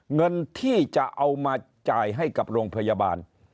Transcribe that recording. เงินที่จะเอามาจ่ายให้กับโรงพยาบาล